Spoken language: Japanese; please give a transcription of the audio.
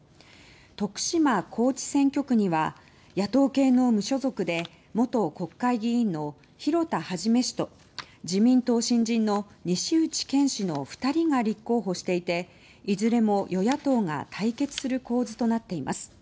徳島・高知選挙区には野党系の無所属で元国会議員の広田一氏と自民党新人の西内健氏の２人が立候補していていずれも与野党が対決する構図となっています。